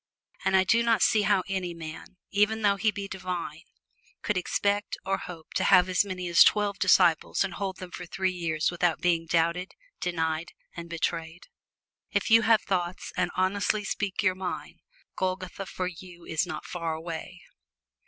And I do not see how any man, even though he be divine, could expect or hope to have as many as twelve disciples and hold them for three years without being doubted, denied and betrayed. If you have thoughts, and honestly speak your mind, Golgotha for you is not far away.